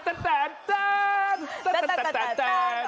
สักกระแสนแสนแสน